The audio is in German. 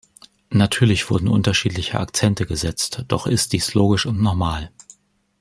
Natürlich wurden unterschiedliche Akzente gesetzt, doch ist dies logisch und normal.